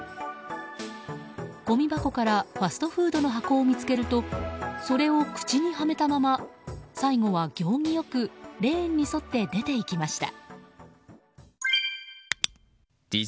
ごみ箱からファストフードの箱を見つけるとそれを口にはめたまま最後は行儀よくレーンに沿って出て行きました。